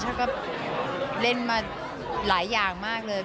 ท่านก็เล่นมาหลายอย่างมากเลย